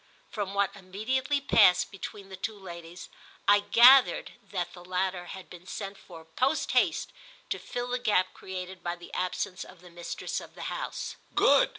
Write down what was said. From what immediately passed between the two ladies I gathered that the latter had been sent for post haste to fill the gap created by the absence of the mistress of the house. "Good!"